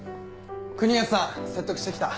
国安さん説得して来た。